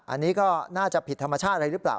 อันนี้ก็น่าจะผิดธรรมชาติอะไรหรือเปล่า